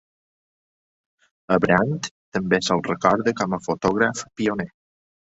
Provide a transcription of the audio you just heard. A Brandt també se'l recorda com a fotògraf pioner.